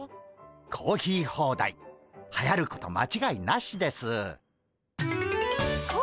コーヒーホーダイはやること間違いなしです。